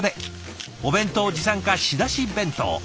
お弁当持参か仕出し弁当。